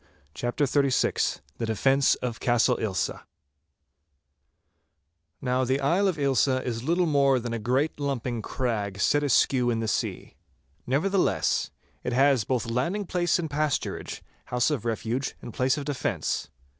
*CHAPTER XXXVI* *THE DEFENCE OF CASTLE AILSA* Now the Isle of Ailsa is little more than a great lumping crag set askew in the sea. Nevertheless, it has both landing place and pasturage, house of refuge and place of defence.